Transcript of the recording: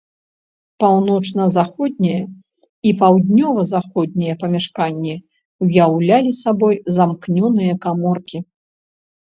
Паўночна-заходняе і паўднёва-заходняе памяшканні ўяўлялі сабой замкнёныя каморкі.